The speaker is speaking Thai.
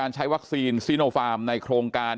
ก็คือเป็นการสร้างภูมิต้านทานหมู่ทั่วโลกด้วยค่ะ